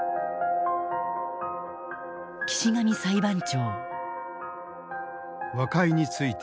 岸上裁判長。